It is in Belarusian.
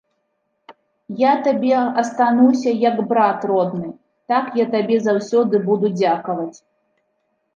Я табе астануся, як брат родны, так я табе заўсёды буду дзякаваць.